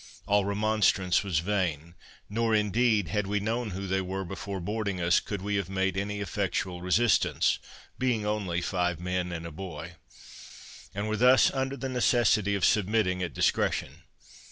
All remonstrance was vain; nor indeed, had we known who they were before boarding us, could we have made any effectual resistance, being only five men and a boy, and were thus under the necessity of submitting at discretion.